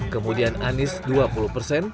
kemudian anies dua puluh persen